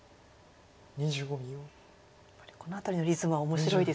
やっぱりこの辺りのリズムは面白いですよね。